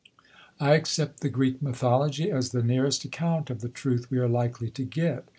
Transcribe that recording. I accept the Greek mythology as the nearest account of the truth we are likely to get.